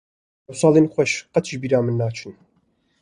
Ew salên xweş qet ji bîra min naçin.